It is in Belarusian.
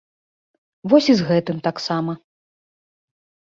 Вось і з гэтым таксама.